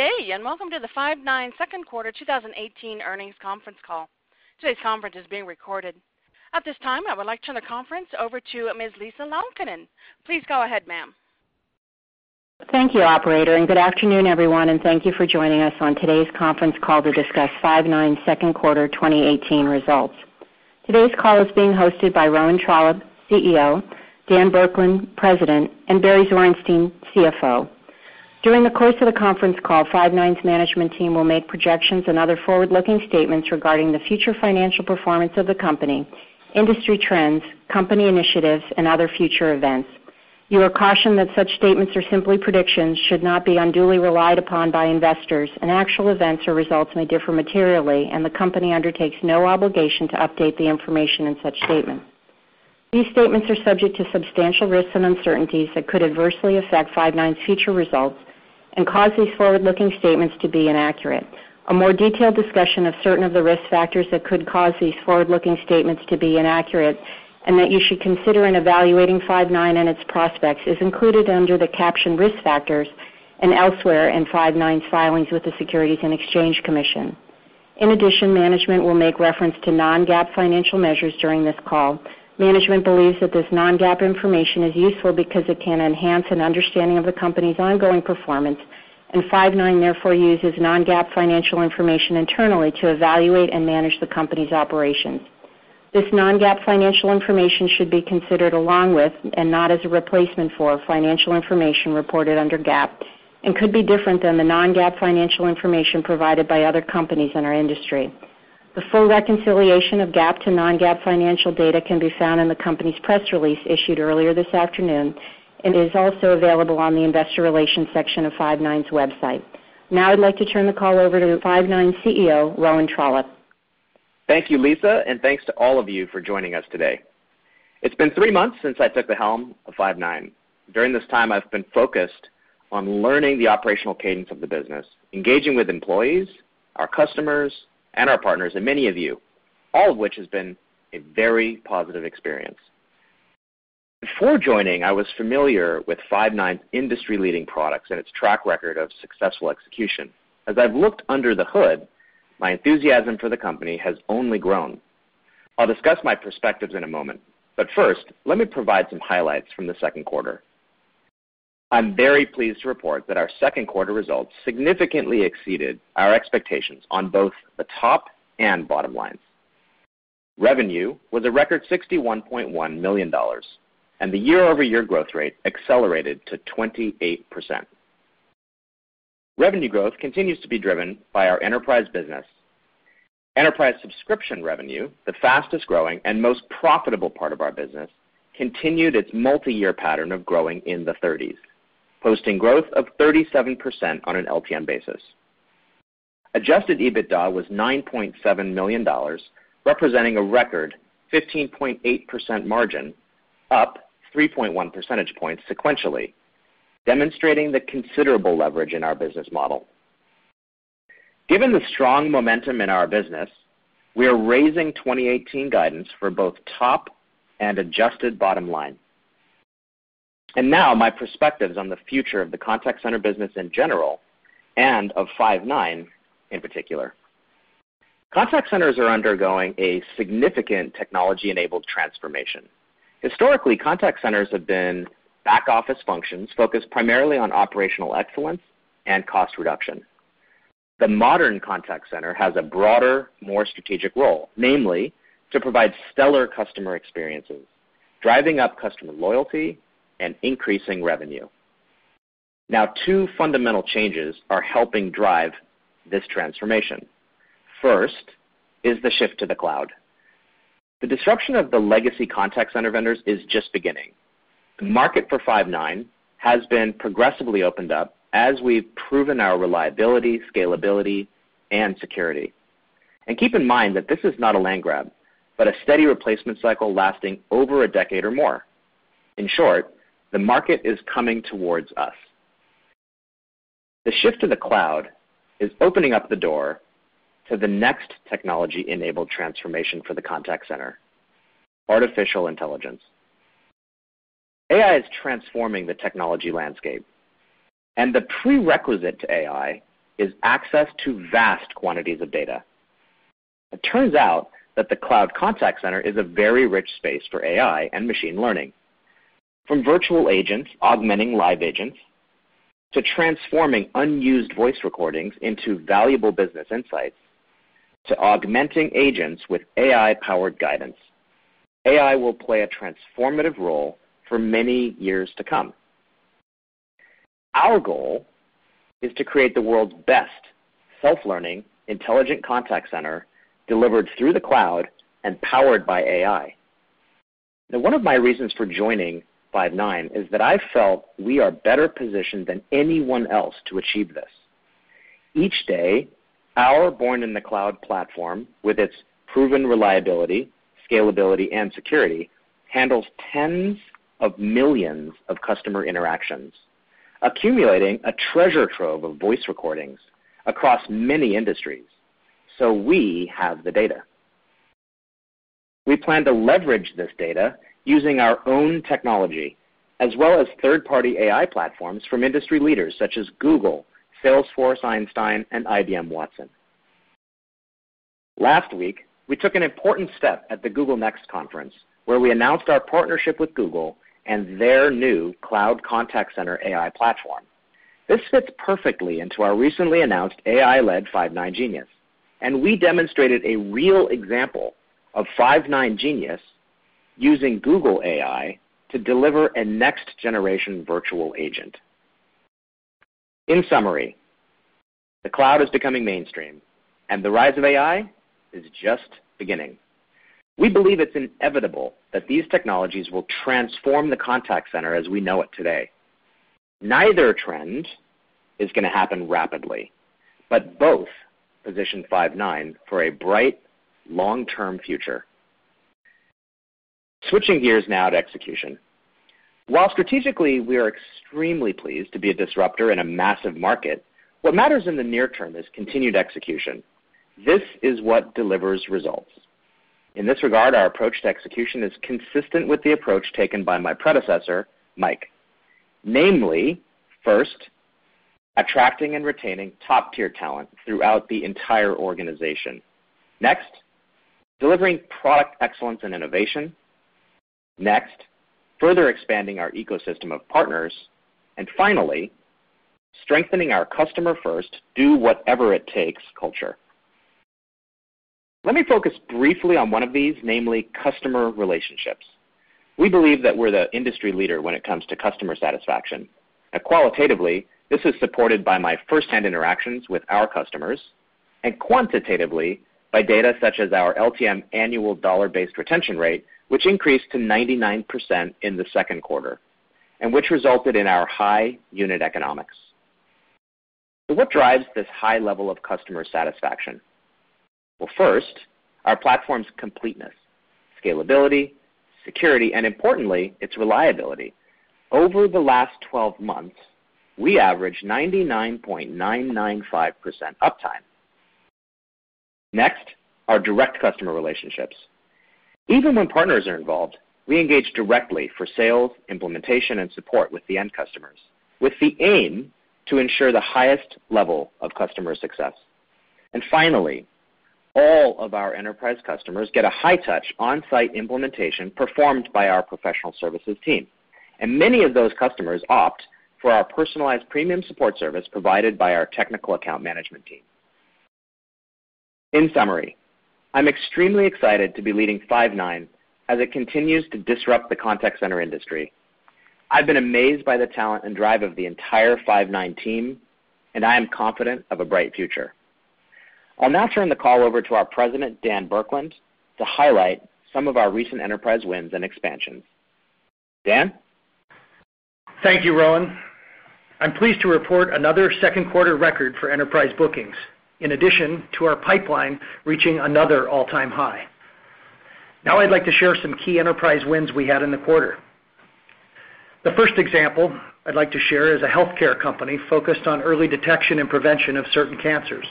Good day, and welcome to the Five9 second quarter 2018 earnings conference call. Today's conference is being recorded. At this time, I would like to turn the conference over to Ms. Lisa Laukkanen. Please go ahead, ma'am. Thank you, operator, and good afternoon, everyone, and thank you for joining us on today's conference call to discuss Five9 second quarter 2018 results. Today's call is being hosted by Rowan Trollope, CEO, Dan Burkland, President, and Barry Zwarenstein, CFO. During the course of the conference call, Five9's management team will make projections and other forward-looking statements regarding the future financial performance of the company, industry trends, company initiatives, and other future events. You are cautioned that such statements are simply predictions, should not be unduly relied upon by investors, and actual events or results may differ materially, and the company undertakes no obligation to update the information in such statements. These statements are subject to substantial risks and uncertainties that could adversely affect Five9's future results and cause these forward-looking statements to be inaccurate. A more detailed discussion of certain of the risk factors that could cause these forward-looking statements to be inaccurate and that you should consider in evaluating Five9 and its prospects is included under the caption Risk Factors and elsewhere in Five9's filings with the Securities and Exchange Commission. In addition, management will make reference to non-GAAP financial measures during this call. Management believes that this non-GAAP information is useful because it can enhance an understanding of the company's ongoing performance, and Five9 therefore uses non-GAAP financial information internally to evaluate and manage the company's operations. This non-GAAP financial information should be considered along with, and not as a replacement for, financial information reported under GAAP and could be different than the non-GAAP financial information provided by other companies in our industry. The full reconciliation of GAAP to non-GAAP financial data can be found in the company's press release issued earlier this afternoon and is also available on the investor relations section of Five9's website. Now I'd like to turn the call over to Five9's CEO, Rowan Trollope. Thank you, Lisa, and thanks to all of you for joining us today. It's been three months since I took the helm of Five9. During this time, I've been focused on learning the operational cadence of the business, engaging with employees, our customers, and our partners, and many of you, all of which has been a very positive experience. Before joining, I was familiar with Five9's industry-leading products and its track record of successful execution. As I've looked under the hood, my enthusiasm for the company has only grown. I'll discuss my perspectives in a moment, but first, let me provide some highlights from the second quarter. I'm very pleased to report that our second quarter results significantly exceeded our expectations on both the top and bottom lines. Revenue was a record $61.1 million, and the year-over-year growth rate accelerated to 28%. Revenue growth continues to be driven by our enterprise business. Enterprise subscription revenue, the fastest-growing and most profitable part of our business, continued its multi-year pattern of growing in the 30s, posting growth of 37% on an LTM basis. Adjusted EBITDA was $9.7 million, representing a record 15.8% margin, up 3.1 percentage points sequentially, demonstrating the considerable leverage in our business model. Given the strong momentum in our business, we are raising 2018 guidance for both top and adjusted bottom line. My perspectives on the future of the contact center business in general and of Five9 in particular. Contact centers are undergoing a significant technology-enabled transformation. Historically, contact centers have been back-office functions focused primarily on operational excellence and cost reduction. The modern contact center has a broader, more strategic role, namely to provide stellar customer experiences, driving up customer loyalty and increasing revenue. Two fundamental changes are helping drive this transformation. First is the shift to the cloud. The disruption of the legacy contact center vendors is just beginning. The market for Five9 has been progressively opened up as we've proven our reliability, scalability, and security. Keep in mind that this is not a land grab, but a steady replacement cycle lasting over a decade or more. In short, the market is coming towards us. The shift to the cloud is opening up the door to the next technology-enabled transformation for the contact center, artificial intelligence. AI is transforming the technology landscape, and the prerequisite to AI is access to vast quantities of data. It turns out that the cloud contact center is a very rich space for AI and machine learning. From virtual agents augmenting live agents, to transforming unused voice recordings into valuable business insights, to augmenting agents with AI-powered guidance, AI will play a transformative role for many years to come. Our goal is to create the world's best self-learning, intelligent contact center delivered through the cloud and powered by AI. One of my reasons for joining Five9 is that I felt we are better positioned than anyone else to achieve this. Each day, our born-in-the-cloud platform, with its proven reliability, scalability, and security, handles tens of millions of customer interactions, accumulating a treasure trove of voice recordings across many industries. We have the data. We plan to leverage this data using our own technology as well as third-party AI platforms from industry leaders such as Google, Salesforce Einstein, and IBM Watson. Last week, we took an important step at the Google Cloud Next conference, where we announced our partnership with Google and their new Google Cloud Contact Center AI platform. This fits perfectly into our recently announced AI-led Five9 Genius, and we demonstrated a real example of Five9 Genius using Google AI to deliver a next-generation virtual agent. The cloud is becoming mainstream and the rise of AI is just beginning. We believe it's inevitable that these technologies will transform the contact center as we know it today. Neither trend is going to happen rapidly, but both position Five9 for a bright, long-term future. Switching gears now to execution. While strategically, we are extremely pleased to be a disruptor in a massive market, what matters in the near term is continued execution. This is what delivers results. In this regard, our approach to execution is consistent with the approach taken by my predecessor, Mike. Namely, first, attracting and retaining top-tier talent throughout the entire organization. Next, delivering product excellence and innovation. Next, further expanding our ecosystem of partners. Finally, strengthening our customer first, do whatever it takes culture. Let me focus briefly on one of these, namely customer relationships. We believe that we're the industry leader when it comes to customer satisfaction. Now qualitatively, this is supported by my first-hand interactions with our customers, and quantitatively by data such as our LTM annual dollar-based retention rate, which increased to 99% in the second quarter, and which resulted in our high unit economics. What drives this high level of customer satisfaction? First, our platform's completeness, scalability, security, and importantly, its reliability. Over the last 12 months, we averaged 99.995% uptime. Next, our direct customer relationships. Even when partners are involved, we engage directly for sales, implementation, and support with the end customers, with the aim to ensure the highest level of customer success. Finally, all of our enterprise customers get a high-touch, on-site implementation performed by our professional services team, and many of those customers opt for our personalized premium support service provided by our technical account management team. I'm extremely excited to be leading Five9 as it continues to disrupt the contact center industry. I've been amazed by the talent and drive of the entire Five9 team, and I am confident of a bright future. I'll now turn the call over to our president, Dan Burkland, to highlight some of our recent enterprise wins and expansions. Dan? Thank you, Rowan. I'm pleased to report another second quarter record for enterprise bookings, in addition to our pipeline reaching another all-time high. I'd like to share some key enterprise wins we had in the quarter. The first example I'd like to share is a healthcare company focused on early detection and prevention of certain cancers.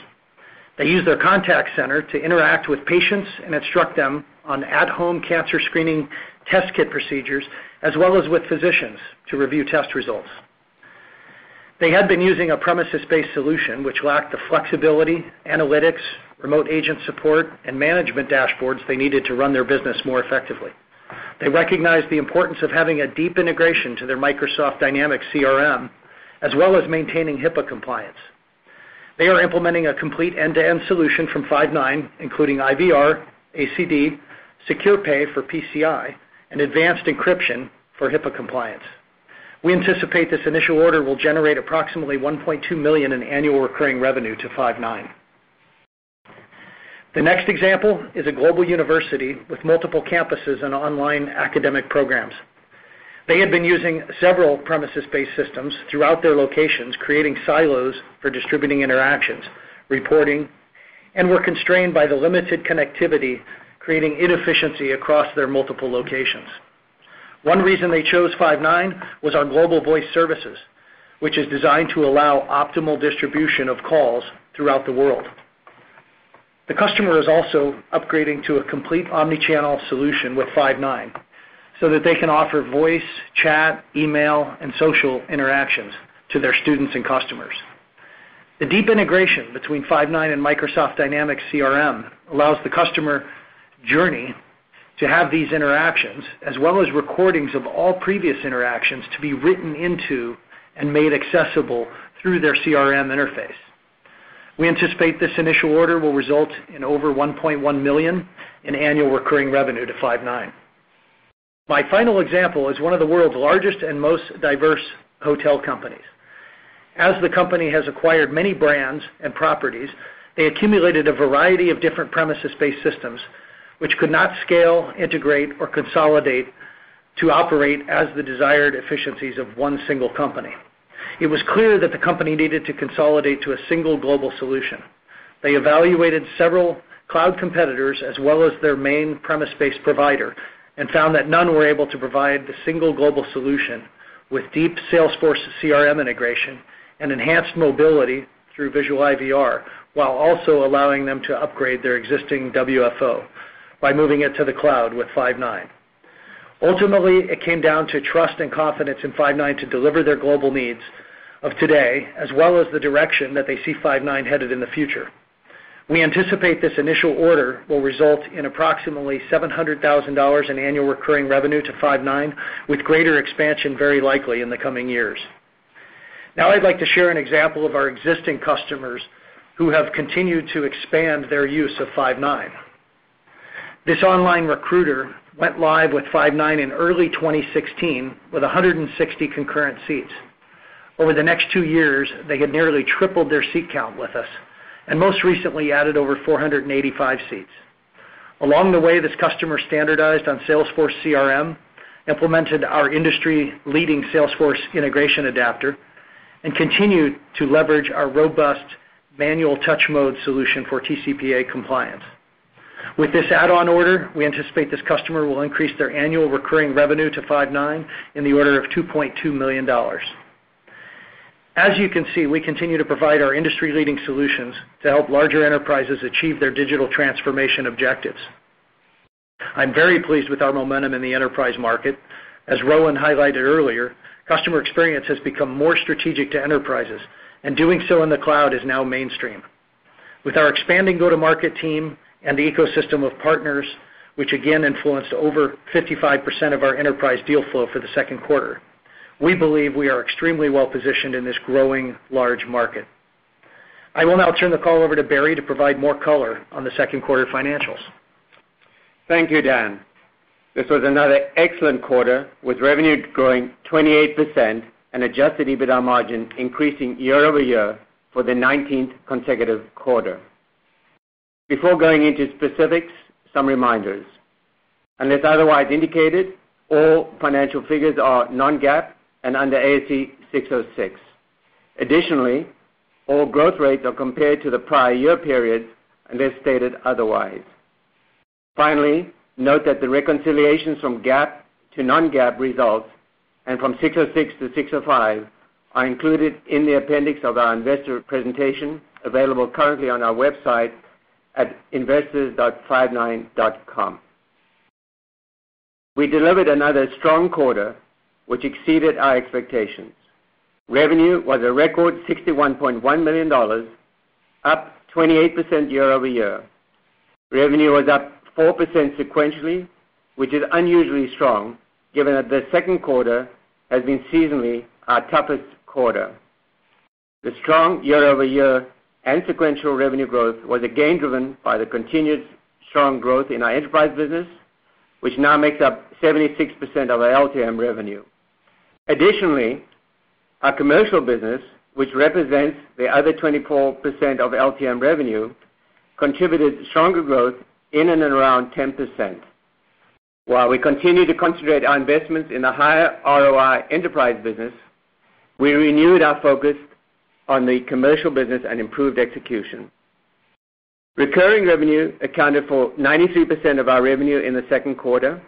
They use their contact center to interact with patients and instruct them on at-home cancer screening test kit procedures, as well as with physicians to review test results. They had been using a premises-based solution, which lacked the flexibility, analytics, remote agent support, and management dashboards they needed to run their business more effectively. They recognized the importance of having a deep integration to their Microsoft Dynamics CRM, as well as maintaining HIPAA compliance. They are implementing a complete end-to-end solution from Five9, including IVR, ACD, Secure Pay for PCI, and advanced encryption for HIPAA compliance. We anticipate this initial order will generate approximately $1.2 million in annual recurring revenue to Five9. The next example is a global university with multiple campuses and online academic programs. They had been using several premises-based systems throughout their locations, creating silos for distributing interactions, reporting, and were constrained by the limited connectivity, creating inefficiency across their multiple locations. One reason they chose Five9 was our global voice services, which is designed to allow optimal distribution of calls throughout the world. The customer is also upgrading to a complete omnichannel solution with Five9 so that they can offer voice, chat, email, and social interactions to their students and customers. The deep integration between Five9 and Microsoft Dynamics CRM allows the customer journey to have these interactions, as well as recordings of all previous interactions to be written into and made accessible through their CRM interface. We anticipate this initial order will result in over $1.1 million in annual recurring revenue to Five9. My final example is one of the world's largest and most diverse hotel companies. As the company has acquired many brands and properties, they accumulated a variety of different premises-based systems, which could not scale, integrate, or consolidate to operate as the desired efficiencies of one single company. It was clear that the company needed to consolidate to a single global solution. They evaluated several cloud competitors, as well as their main premise-based provider, and found that none were able to provide the single global solution with deep Salesforce CRM integration and enhanced mobility through Visual IVR, while also allowing them to upgrade their existing WFO by moving it to the cloud with Five9. Ultimately, it came down to trust and confidence in Five9 to deliver their global needs of today, as well as the direction that they see Five9 headed in the future. We anticipate this initial order will result in approximately $700,000 in annual recurring revenue to Five9, with greater expansion very likely in the coming years. Now I'd like to share an example of our existing customers who have continued to expand their use of Five9. This online recruiter went live with Five9 in early 2016 with 160 concurrent seats. Over the next two years, they had nearly tripled their seat count with us and most recently added over 485 seats. Along the way, this customer standardized on Salesforce CRM, implemented our industry-leading Salesforce integration adapter, and continued to leverage our robust manual touch mode solution for TCPA compliance. With this add-on order, we anticipate this customer will increase their annual recurring revenue to Five9 in the order of $2.2 million. As you can see, we continue to provide our industry-leading solutions to help larger enterprises achieve their digital transformation objectives. I'm very pleased with our momentum in the enterprise market. As Rowan highlighted earlier, customer experience has become more strategic to enterprises, and doing so in the cloud is now mainstream. With our expanding go-to-market team and the ecosystem of partners, which again influenced over 55% of our enterprise deal flow for the second quarter, we believe we are extremely well-positioned in this growing large market. I will now turn the call over to Barry to provide more color on the second quarter financials. Thank you, Dan. This was another excellent quarter, with revenue growing 28% and Adjusted EBITDA margin increasing year-over-year for the 19th consecutive quarter. Before going into specifics, some reminders. Unless otherwise indicated, all financial figures are non-GAAP and under ASC 606. All growth rates are compared to the prior year period unless stated otherwise. Finally, note that the reconciliations from GAAP to non-GAAP results and from 606 to 605 are included in the appendix of our investor presentation, available currently on our website at investors.five9.com. We delivered another strong quarter, which exceeded our expectations. Revenue was a record $61.1 million, up 28% year-over-year. Revenue was up 4% sequentially, which is unusually strong given that the second quarter has been seasonally our toughest quarter. The strong year-over-year and sequential revenue growth was again driven by the continued strong growth in our enterprise business, which now makes up 76% of our LTM revenue. Our commercial business, which represents the other 24% of LTM revenue, contributed stronger growth in and around 10%. While we continue to concentrate our investments in the higher ROI enterprise business, we renewed our focus on the commercial business and improved execution. Recurring revenue accounted for 93% of our revenue in the second quarter.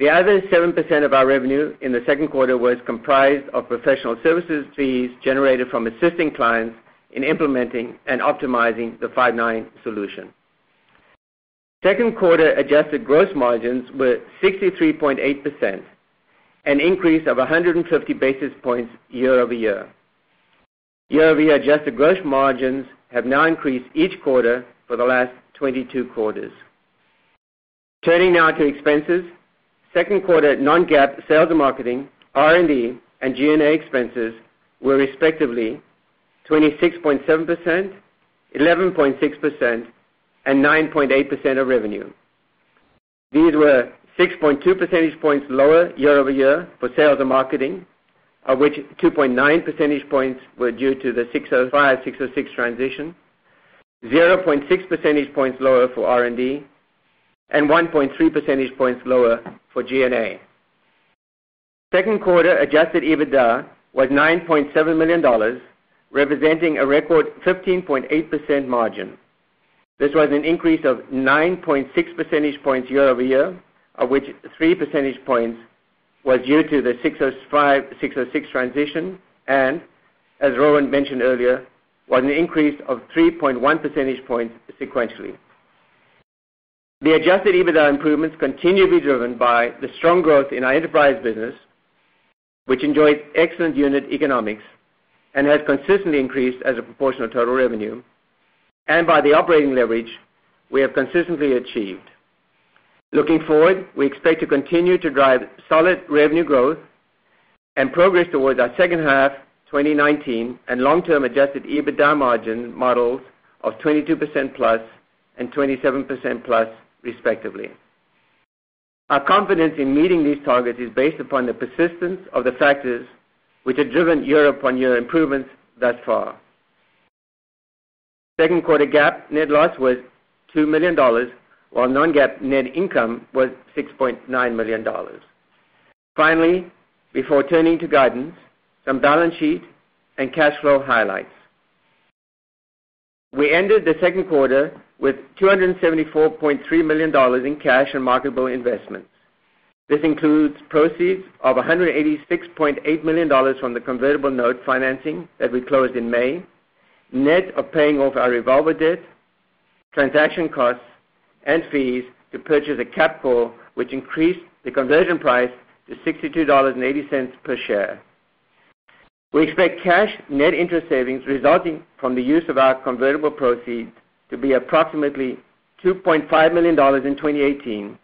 The other 7% of our revenue in the second quarter was comprised of professional services fees generated from assisting clients in implementing and optimizing the Five9 solution. Second quarter adjusted gross margins were 63.8%, an increase of 150 basis points year-over-year. Year-over-year adjusted gross margins have now increased each quarter for the last 22 quarters. Turning now to expenses. Second quarter non-GAAP sales and marketing, R&D, and G&A expenses were respectively 26.7%, 11.6%, and 9.8% of revenue. These were 6.2 percentage points lower year-over-year for sales and marketing, of which 2.9 percentage points were due to the 605/606 transition, 0.6 percentage points lower for R&D, and 1.3 percentage points lower for G&A. Second quarter Adjusted EBITDA was $9.7 million, representing a record 15.8% margin. This was an increase of 9.6 percentage points year-over-year, of which three percentage points was due to the 605/606 transition, and, as Rowan mentioned earlier, was an increase of 3.1 percentage points sequentially. The Adjusted EBITDA improvements continue to be driven by the strong growth in our enterprise business, which enjoyed excellent unit economics and has consistently increased as a proportion of total revenue and by the operating leverage we have consistently achieved. Looking forward, we expect to continue to drive solid revenue growth and progress towards our second half 2019 and long-term Adjusted EBITDA margin models of 22%+ and 27%+, respectively. Our confidence in meeting these targets is based upon the persistence of the factors which have driven year-upon-year improvements thus far. Second quarter GAAP net loss was $2 million, while non-GAAP net income was $6.9 million. Before turning to guidance, some balance sheet and cash flow highlights. We ended the second quarter with $274.3 million in cash and marketable investments. This includes proceeds of $186.8 million from the convertible note financing that we closed in May, net of paying off our revolver debt, transaction costs, and fees to purchase a cap call, which increased the conversion price to $62.80 per share. We expect cash net interest savings resulting from the use of our convertible proceeds to be approximately $2.5 million in 2018,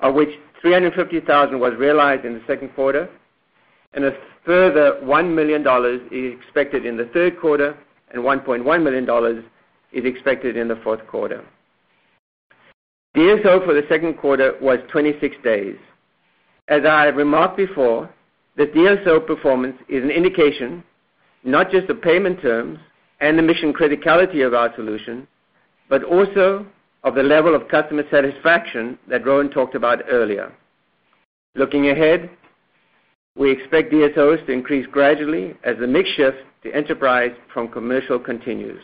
of which $350,000 was realized in the second quarter, and a further $1 million is expected in the third quarter, and $1.1 million is expected in the fourth quarter. DSO for the second quarter was 26 days. As I have remarked before, the DSO performance is an indication not just of payment terms and the mission criticality of our solution, but also of the level of customer satisfaction that Rowan talked about earlier. Looking ahead, we expect DSOs to increase gradually as the mix shift to enterprise from commercial continues.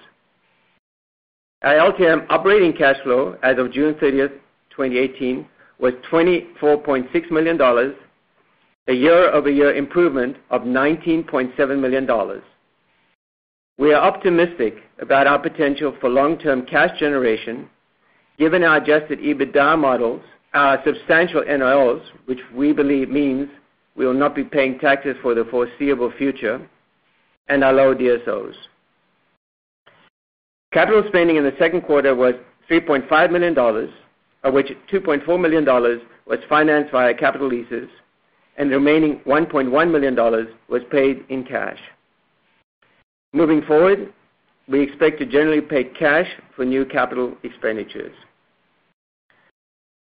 Our LTM operating cash flow as of June 30th, 2018, was $24.6 million, a year-over-year improvement of $19.7 million. We are optimistic about our potential for long-term cash generation given our Adjusted EBITDA models, our substantial NOLs, which we believe means we will not be paying taxes for the foreseeable future, and our low DSOs. Capital spending in the second quarter was $3.5 million, of which $2.4 million was financed via capital leases and the remaining $1.1 million was paid in cash. Moving forward, we expect to generally pay cash for new capital expenditures.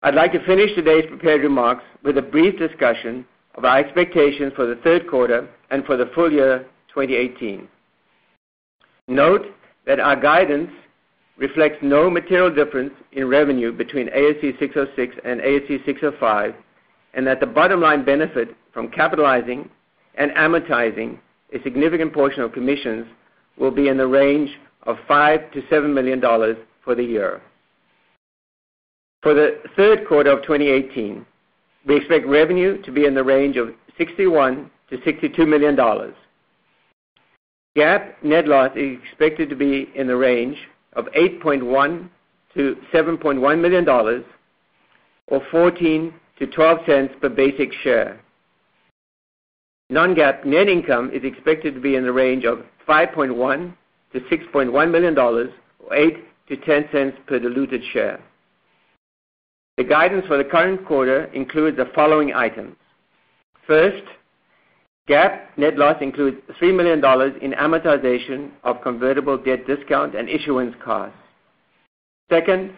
I'd like to finish today's prepared remarks with a brief discussion of our expectations for the third quarter and for the full year 2018. Note that our guidance reflects no material difference in revenue between ASC 606 and ASC 605, and that the bottom line benefit from capitalizing and amortizing a significant portion of commissions will be in the range of $5 million-$7 million for the year. For the third quarter of 2018, we expect revenue to be in the range of $61 million-$62 million. GAAP net loss is expected to be in the range of $8.1 million-$7.1 million, or $0.14-$0.12 per basic share. Non-GAAP net income is expected to be in the range of $5.1 million-$6.1 million, or $0.08-$0.10 per diluted share. The guidance for the current quarter includes the following items. First, GAAP net loss includes $3 million in amortization of convertible debt discount and issuance costs. Second,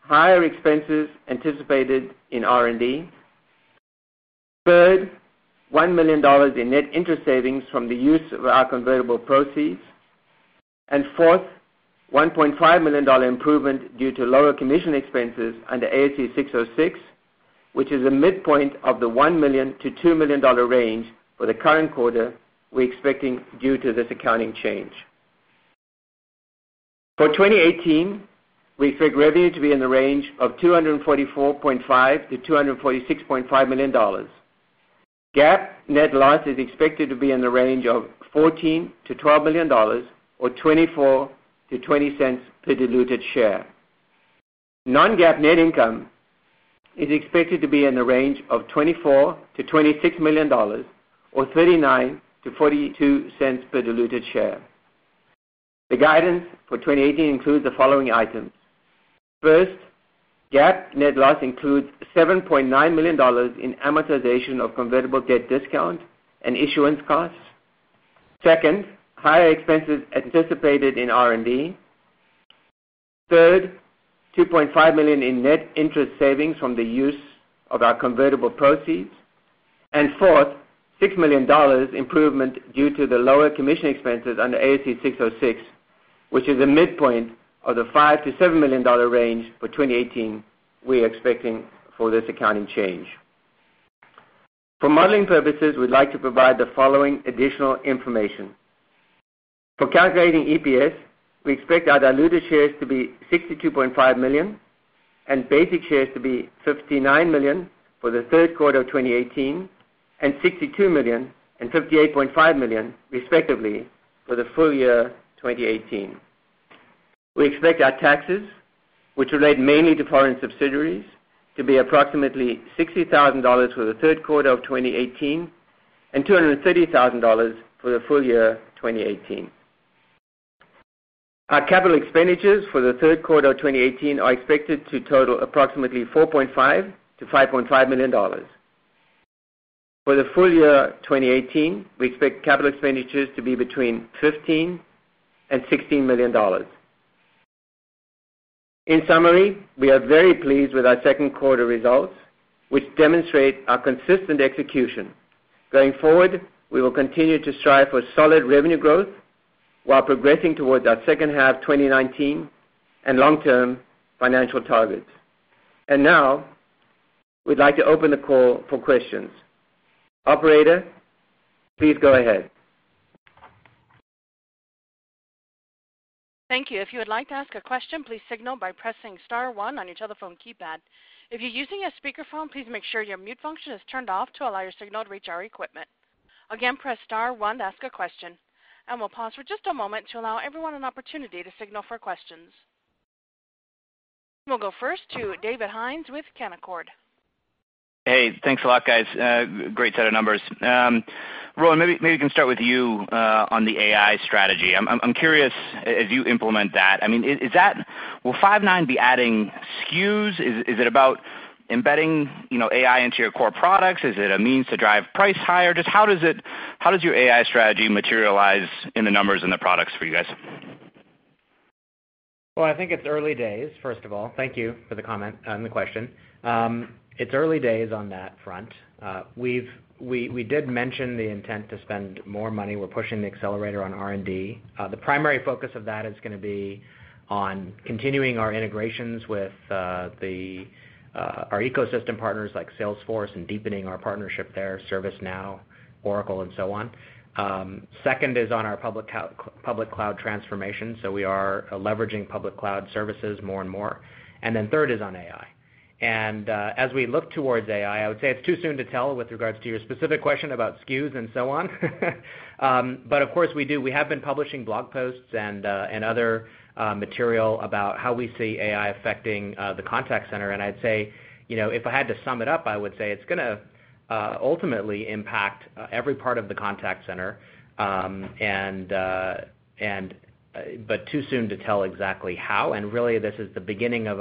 higher expenses anticipated in R&D. Third, $1 million in net interest savings from the use of our convertible proceeds. Fourth, $1.5 million improvement due to lower commission expenses under ASC 606, which is a midpoint of the $1 million-$2 million range for the current quarter we're expecting due to this accounting change. For 2018, we expect revenue to be in the range of $244.5 million-$246.5 million. GAAP net loss is expected to be in the range of $14 million-$12 million, or $0.24-$0.20 per diluted share. Non-GAAP net income is expected to be in the range of $24 million-$26 million, or $0.39-$0.42 per diluted share. The guidance for 2018 includes the following items. First, GAAP net loss includes $7.9 million in amortization of convertible debt discount and issuance costs. Second, higher expenses anticipated in R&D. Third, $2.5 million in net interest savings from the use of our convertible proceeds. Fourth, $6 million improvement due to the lower commission expenses under ASC 606, which is a midpoint of the $5 million-$7 million range for 2018 we're expecting for this accounting change. For modeling purposes, we'd like to provide the following additional information. For calculating EPS, we expect our diluted shares to be 62.5 million and basic shares to be 59 million for the third quarter of 2018 and 62 million and 58.5 million, respectively, for the full year 2018. We expect our taxes, which relate mainly to foreign subsidiaries, to be approximately $60,000 for the third quarter of 2018 and $230,000 for the full year 2018. Our capital expenditures for the third quarter of 2018 are expected to total approximately $4.5 million-$5.5 million. For the full year 2018, we expect capital expenditures to be between $15 million and $16 million. In summary, we are very pleased with our second quarter results, which demonstrate our consistent execution. Going forward, we will continue to strive for solid revenue growth while progressing towards our second half 2019 and long-term financial targets. Now We'd like to open the call for questions. Operator, please go ahead. Thank you. If you would like to ask a question, please signal by pressing star one on your telephone keypad. If you're using a speakerphone, please make sure your mute function is turned off to allow your signal to reach our equipment. Again, press star one to ask a question, we'll pause for just a moment to allow everyone an opportunity to signal for questions. We'll go first to David Hynes with Canaccord Genuity. Hey, thanks a lot, guys. Great set of numbers. Rowan, maybe we can start with you on the AI strategy. I'm curious, as you implement that, will Five9 be adding SKUs? Is it about embedding AI into your core products? Is it a means to drive price higher? Just how does your AI strategy materialize in the numbers and the products for you guys? Well, I think it's early days, first of all. Thank you for the comment and the question. It's early days on that front. We did mention the intent to spend more money. We're pushing the accelerator on R&D. The primary focus of that is going to be on continuing our integrations with our ecosystem partners like Salesforce and deepening our partnership there, ServiceNow, Oracle, and so on. Second is on our public cloud transformation, we are leveraging public cloud services more and more. Third is on AI. As we look towards AI, I would say it's too soon to tell with regards to your specific question about SKUs and so on. Of course, we do. We have been publishing blog posts and other material about how we see AI affecting the contact center. I'd say, if I had to sum it up, I would say it's going to ultimately impact every part of the contact center, but too soon to tell exactly how. Really this is the beginning of,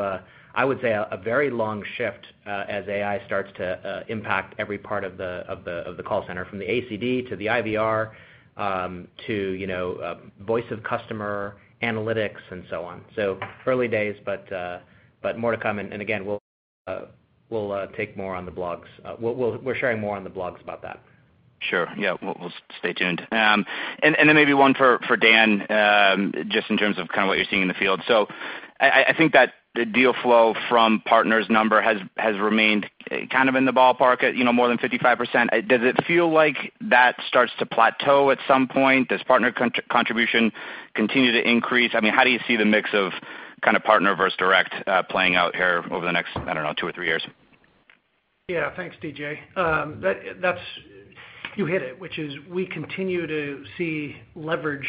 I would say, a very long shift, as AI starts to impact every part of the call center, from the ACD to the IVR, to voice of customer, analytics, and so on. Early days, but more to come. Again, we're sharing more on the blogs about that. Sure. Yeah. We'll stay tuned. Maybe one for Dan, just in terms of what you're seeing in the field. I think that the deal flow from partners number has remained kind of in the ballpark at more than 55%. Does it feel like that starts to plateau at some point? Does partner contribution continue to increase? How do you see the mix of partner versus direct playing out here over the next, I don't know, two or three years? Yeah, thanks, DJ. You hit it, which is we continue to see leverage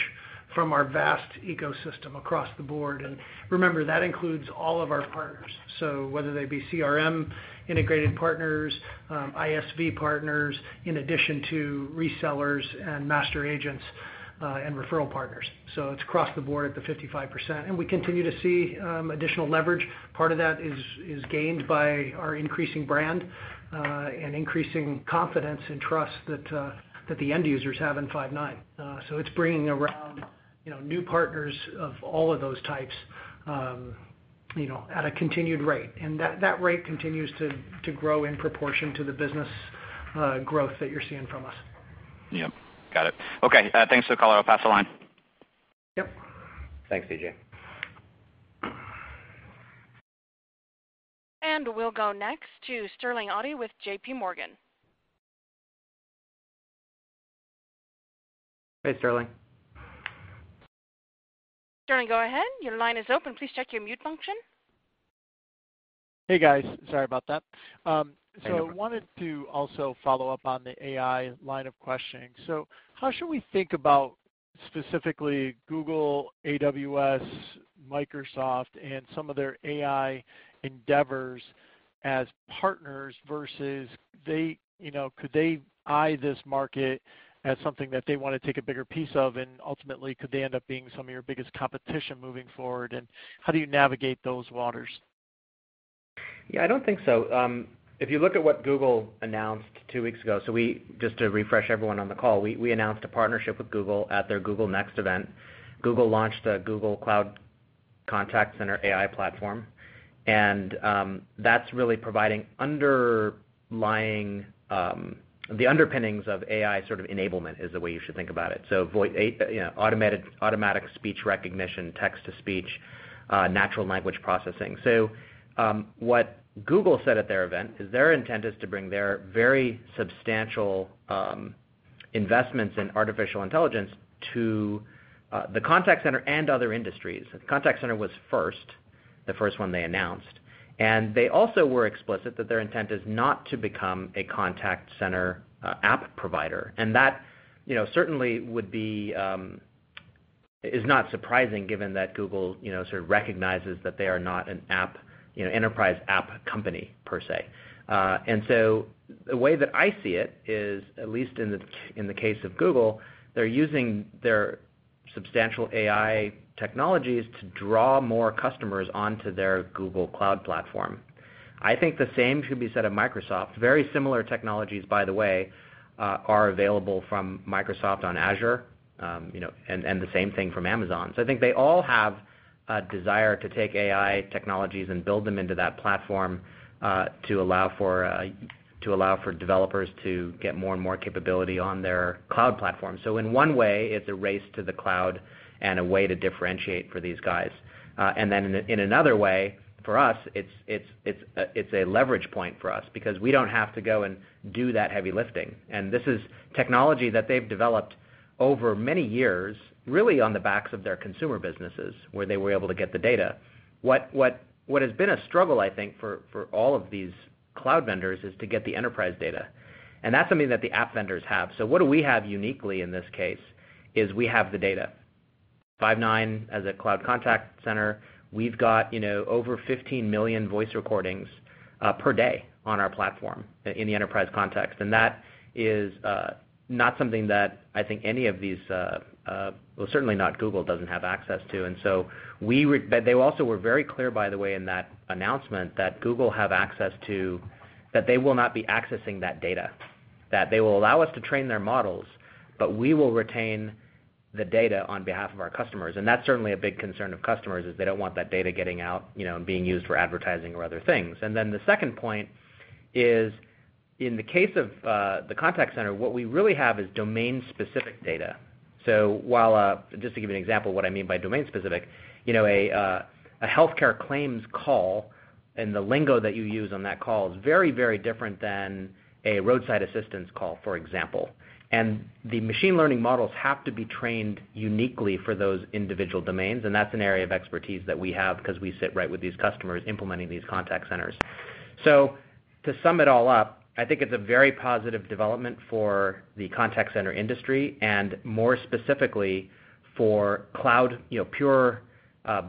from our vast ecosystem across the board. Remember, that includes all of our partners. Whether they be CRM integrated partners, ISV partners, in addition to resellers and master agents, and referral partners. It's across the board at the 55%, and we continue to see additional leverage. Part of that is gained by our increasing brand, and increasing confidence and trust that the end users have in Five9. It's bringing around new partners of all of those types at a continued rate. That rate continues to grow in proportion to the business growth that you're seeing from us. Yep. Got it. Okay. Thanks for the color. I'll pass the line. Yep. Thanks, DJ. We'll go next to Sterling Auty with JP Morgan. Hey, Sterling. Sterling, go ahead. Your line is open. Please check your mute function. Hey, guys. Sorry about that. No problem. I wanted to also follow up on the AI line of questioning. How should we think about specifically Google, AWS, Microsoft, and some of their AI endeavors as partners versus could they eye this market as something that they want to take a bigger piece of, and ultimately, could they end up being some of your biggest competition moving forward, and how do you navigate those waters? I don't think so. If you look at what Google announced 2 weeks ago, just to refresh everyone on the call, we announced a partnership with Google at their Google Cloud Next event. Google launched a Google Cloud Contact Center AI platform, and that's really providing the underpinnings of AI sort of enablement is the way you should think about it. Automatic speech recognition, text-to-speech, natural language processing. What Google said at their event is their intent is to bring their very substantial investments in artificial intelligence to the contact center and other industries. The contact center was first, the first one they announced. They also were explicit that their intent is not to become a contact center app provider. That certainly is not surprising given that Google sort of recognizes that they are not an enterprise app company per se. The way that I see it is, at least in the case of Google, they're using their substantial AI technologies to draw more customers onto their Google Cloud platform. I think the same could be said of Microsoft. Very similar technologies, by the way, are available from Microsoft on Azure. The same thing from Amazon. I think they all have a desire to take AI technologies and build them into that platform to allow for developers to get more and more capability on their cloud platform. In one way, it's a race to the cloud and a way to differentiate for these guys. In another way, for us, it's a leverage point for us because we don't have to go and do that heavy lifting. This is technology that they've developed over many years, really on the backs of their consumer businesses, where they were able to get the data. What has been a struggle, I think, for all of these cloud vendors is to get the enterprise data. That's something that the app vendors have. What do we have uniquely in this case is we have the data. Five9 as a cloud contact center, we've got over 15 million voice recordings per day on our platform in the enterprise context. That is not something that I think any of these-- well, certainly not Google doesn't have access to. They also were very clear, by the way, in that announcement that they will not be accessing that data, that they will allow us to train their models, but we will retain the data on behalf of our customers. That's certainly a big concern of customers, is they don't want that data getting out and being used for advertising or other things. The second point is, in the case of the contact center, what we really have is domain-specific data. Just to give you an example of what I mean by domain-specific, a healthcare claims call and the lingo that you use on that call is very different than a roadside assistance call, for example. The machine learning models have to be trained uniquely for those individual domains, and that's an area of expertise that we have because we sit right with these customers implementing these contact centers. To sum it all up, I think it's a very positive development for the contact center industry and more specifically for pure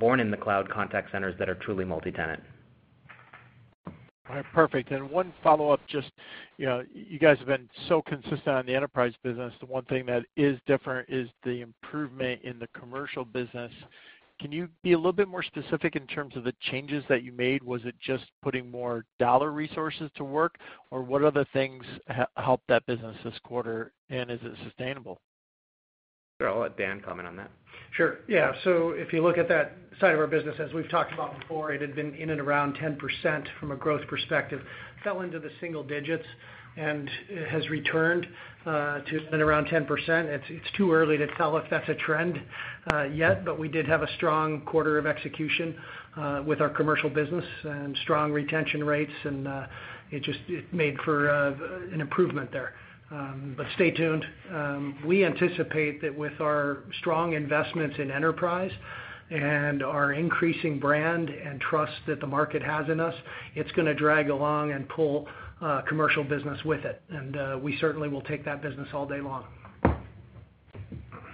born-in-the-cloud contact centers that are truly multi-tenant. All right, perfect. One follow-up, just you guys have been so consistent on the enterprise business. The one thing that is different is the improvement in the commercial business. Can you be a little bit more specific in terms of the changes that you made? Was it just putting more dollar resources to work, or what other things helped that business this quarter, and is it sustainable? Sure. I'll let Dan comment on that. Sure. Yeah. If you look at that side of our business, as we've talked about before, it had been in and around 10% from a growth perspective. Fell into the single digits and it has returned to in around 10%. It's too early to tell if that's a trend yet, we did have a strong quarter of execution with our commercial business and strong retention rates, and it made for an improvement there. Stay tuned. We anticipate that with our strong investments in enterprise and our increasing brand and trust that the market has in us, it's going to drag along and pull commercial business with it. We certainly will take that business all day long.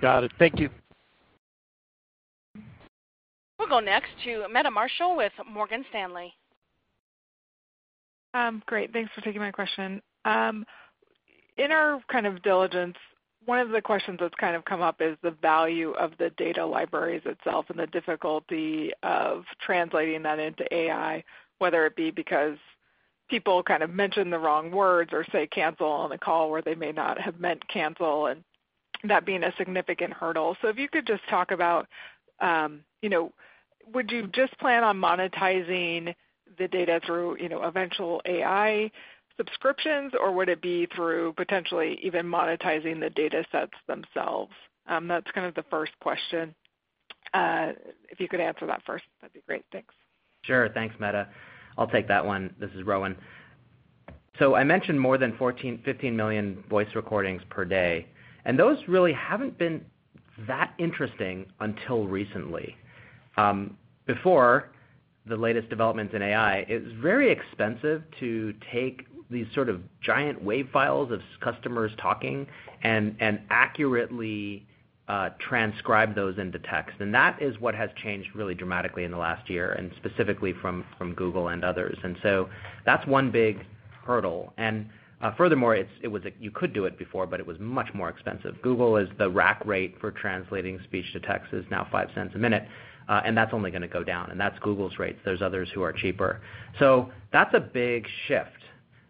Got it. Thank you. We'll go next to Meta Marshall with Morgan Stanley. Great. Thanks for taking my question. In our kind of diligence, one of the questions that's kind of come up is the value of the data libraries itself and the difficulty of translating that into AI, whether it be because people kind of mention the wrong words or say cancel on a call where they may not have meant cancel, and that being a significant hurdle. If you could just talk about would you just plan on monetizing the data through eventual AI subscriptions, or would it be through potentially even monetizing the data sets themselves? That's kind of the first question. If you could answer that first, that'd be great. Thanks. Sure. Thanks, Meta. I'll take that one. This is Rowan. I mentioned more than 15 million voice recordings per day, those really haven't been that interesting until recently. Before the latest developments in AI, it was very expensive to take these sort of giant WAV files of customers talking and accurately transcribe those into text. That is what has changed really dramatically in the last year, specifically from Google and others. That's one big hurdle. Furthermore, you could do it before, but it was much more expensive. Google is the rack rate for translating speech to text is now $0.05 a minute, that's only going to go down. That's Google's rates. There's others who are cheaper. That's a big shift.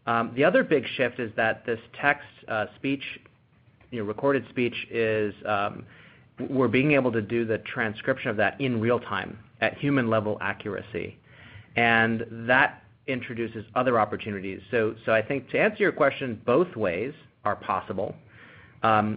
The other big shift is that this text speech, recorded speech is we're being able to do the transcription of that in real-time at human-level accuracy. That introduces other opportunities. I think to answer your question, both ways are possible. I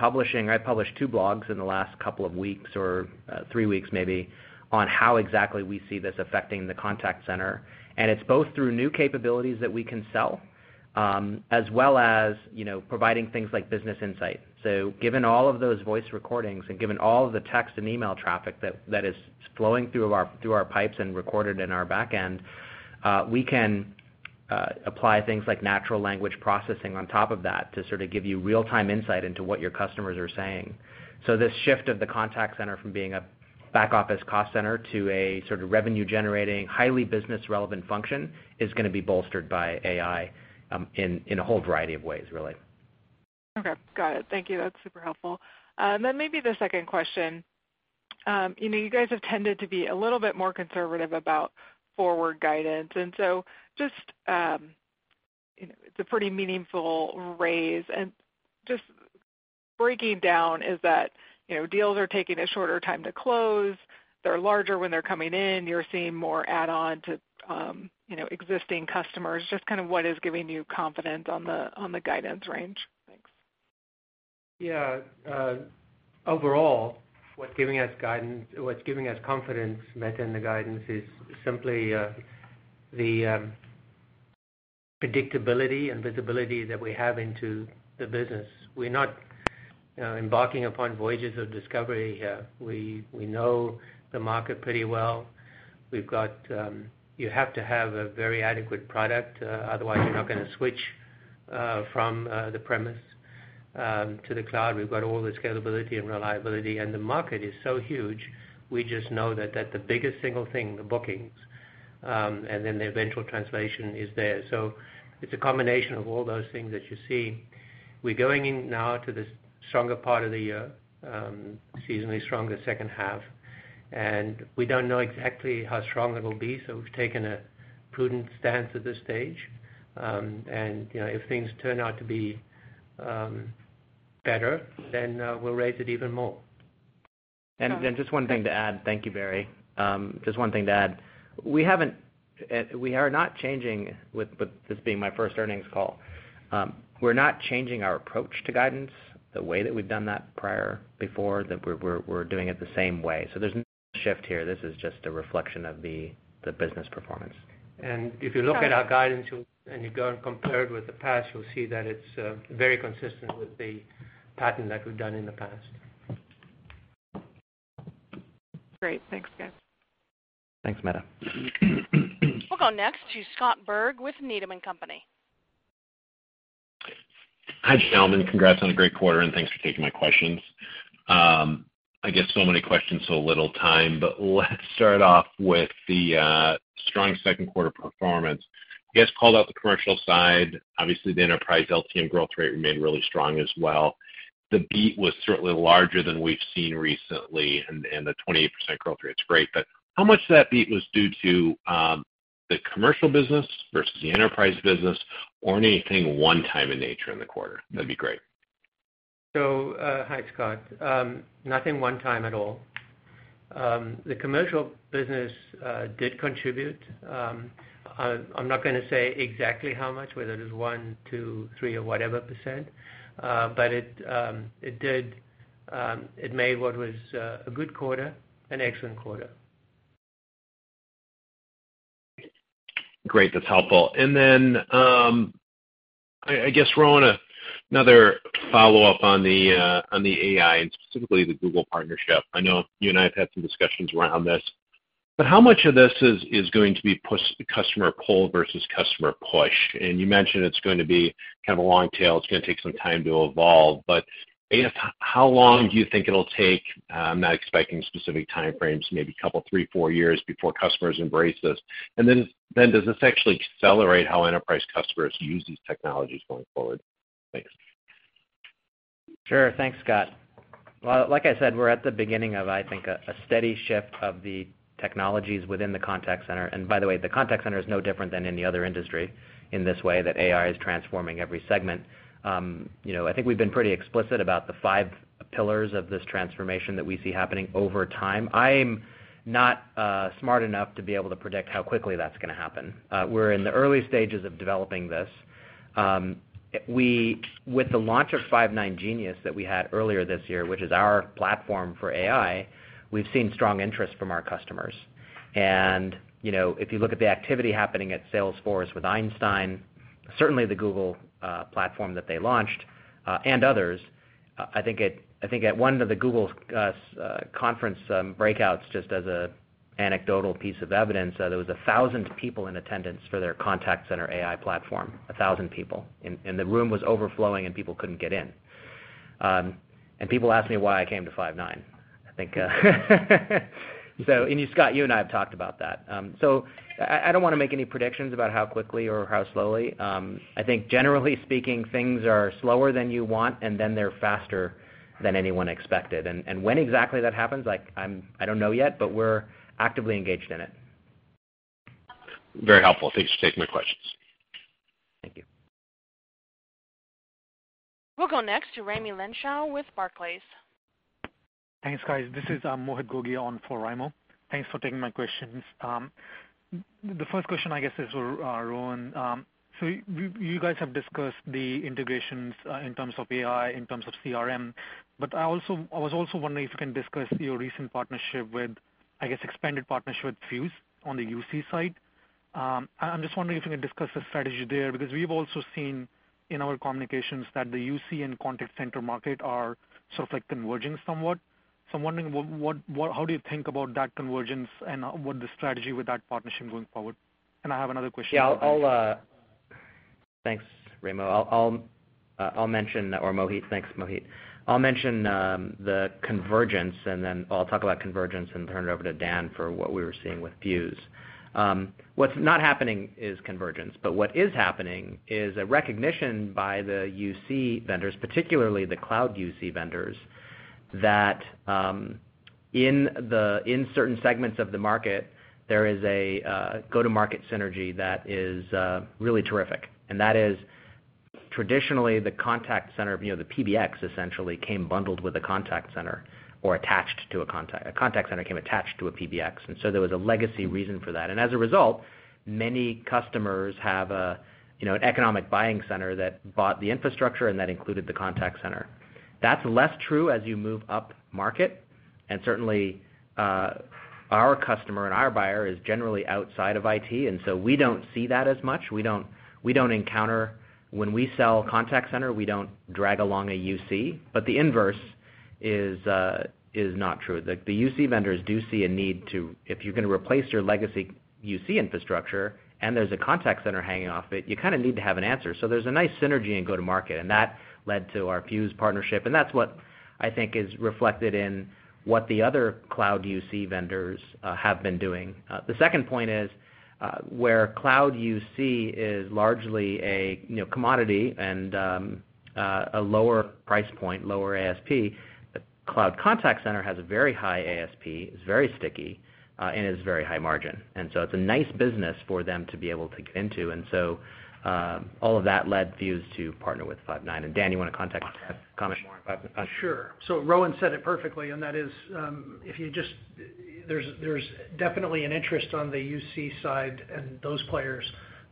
published two blogs in the last couple of weeks, or three weeks maybe, on how exactly we see this affecting the contact center, and it's both through new capabilities that we can sell, as well as providing things like business insight. Given all of those voice recordings and given all of the text and email traffic that is flowing through our pipes and recorded in our back end, we can apply things like natural language processing on top of that to sort of give you real-time insight into what your customers are saying. This shift of the contact center from being a back-office cost center to a sort of revenue-generating, highly business-relevant function is going to be bolstered by AI in a whole variety of ways, really. Okay, got it. Thank you. That's super helpful. Maybe the second question You guys have tended to be a little bit more conservative about forward guidance. It's a pretty meaningful raise. Just breaking down is that deals are taking a shorter time to close. They're larger when they're coming in. You're seeing more add-on to existing customers. Just what is giving you confidence on the guidance range? Thanks. Yeah. Overall, what's giving us confidence, Meta, in the guidance is simply the predictability and visibility that we have into the business. We're not embarking upon voyages of discovery here. We know the market pretty well. You have to have a very adequate product, otherwise you're not going to switch from the premise to the cloud. We've got all the scalability and reliability, and the market is so huge, we just know that the biggest single thing, the bookings, and then the eventual translation is there. It's a combination of all those things that you see. We're going in now to the stronger part of the year, seasonally stronger second half, and we don't know exactly how strong it will be, so we've taken a prudent stance at this stage. If things turn out to be better, then we'll raise it even more. Just one thing to add. Thank you, Barry Zwarenstein. Just one thing to add. This being my first earnings call, we're not changing our approach to guidance, the way that we've done that prior, before, that we're doing it the same way. There's no shift here. This is just a reflection of the business performance. If you look at our guidance and you go and compare it with the past, you'll see that it's very consistent with the pattern that we've done in the past. Great. Thanks, guys. Thanks, Meta. We'll go next to Scott Berg with Needham & Company. Hi, gentlemen. Congrats on a great quarter, and thanks for taking my questions. I get so many questions, so little time, but let's start off with the strong second quarter performance. You guys called out the commercial side. Obviously, the enterprise LTM growth rate remained really strong as well. The beat was certainly larger than we've seen recently, and the 28% growth rate is great, but how much of that beat was due to the commercial business versus the enterprise business or anything one-time in nature in the quarter? That'd be great. Hi, Scott. Nothing one-time at all. The commercial business did contribute. I'm not going to say exactly how much, whether it was one, two, three, or whatever %. It made what was a good quarter an excellent quarter. Great. That's helpful. I guess, Rowan, another follow-up on the AI and specifically the Google partnership. I know you and I have had some discussions around this. How much of this is going to be customer pull versus customer push? You mentioned it's going to be kind of a long tail. It's going to take some time to evolve. A, how long do you think it'll take? I'm not expecting specific time frames, maybe couple, three, four years before customers embrace this. Does this actually accelerate how enterprise customers use these technologies going forward? Thanks. Sure. Thanks, Scott. Well, like I said, we're at the beginning of, I think, a steady shift of the technologies within the contact center. By the way, the contact center is no different than any other industry in this way that AI is transforming every segment. I think we've been pretty explicit about the five pillars of this transformation that we see happening over time. I'm not smart enough to be able to predict how quickly that's going to happen. We're in the early stages of developing this. With the launch of Five9 Genius that we had earlier this year, which is our platform for AI, we've seen strong interest from our customers. If you look at the activity happening at Salesforce with Einstein, certainly the Google platform that they launched, and others. I think at one of the Google conference breakouts, just as an anecdotal piece of evidence, there was 1,000 people in attendance for their contact center AI platform, 1,000 people. The room was overflowing, and people couldn't get in. People asked me why I came to Five9, I think. Scott, you and I have talked about that. I don't want to make any predictions about how quickly or how slowly. I think generally speaking, things are slower than you want, and then they're faster than anyone expected. When exactly that happens, I don't know yet, but we're actively engaged in it. Very helpful. Thanks for taking my questions. Thank you. We'll go next to Raimo Lenschow with Barclays. Thanks, guys. This is Mohit Gogia on for Raimo. Thanks for taking my questions. The first question, I guess, is for Rowan. You guys have discussed the integrations in terms of AI, in terms of CRM, I was also wondering if you can discuss your recent expanded partnership with Fuze on the UC side. I'm just wondering if you can discuss the strategy there, because we've also seen in our communications that the UC and contact center market are sort of converging somewhat. I'm wondering, how do you think about that convergence and what the strategy with that partnership going forward? I have another question. Thanks, Raimo, or Mohit. Thanks, Mohit. I'll mention the convergence, I'll talk about convergence and turn it over to Dan for what we were seeing with Fuze. What's not happening is convergence, what is happening is a recognition by the UC vendors, particularly the cloud UC vendors, that in certain segments of the market, there is a go-to-market synergy that is really terrific, that is traditionally the contact center, the PBX essentially came bundled with a contact center or a contact center came attached to a PBX, there was a legacy reason for that. As a result, many customers have an economic buying center that bought the infrastructure that included the contact center. That's less true as you move up market, and certainly our customer and our buyer is generally outside of IT, we don't see that as much. When we sell contact center, we don't drag along a UC, the inverse is not true. The UC vendors do see a need to, if you're going to replace your legacy UC infrastructure, there's a contact center hanging off it, you need to have an answer. There's a nice synergy in go-to-market, that led to our Fuze partnership, that's what I think is reflected in what the other cloud UC vendors have been doing. The second point is where cloud UC is largely a commodity a lower price point, lower ASP, cloud contact center has a very high ASP, is very sticky, is very high margin. It's a nice business for them to be able to get into. All of that led Fuze to partner with Five9. Dan, you want to comment more on Five9? Sure. Rowan said it perfectly, and that is there's definitely an interest on the UC side and those players